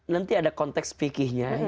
nanti ada konteks pikirnya